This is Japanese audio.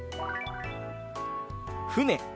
「船」。